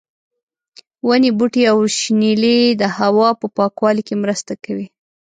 ونې، بوټي او شنېلی د هوا په پاکوالي کې مرسته کوي.